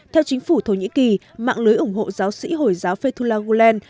theo chính phủ thổ nhĩ kỳ mạng lưới ủng hộ giáo sĩ hồi giáo fedula gulen